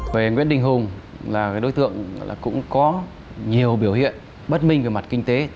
về nguyễn đình hùng là đối tượng cũng có nhiều biểu hiện bất minh về mặt kinh tế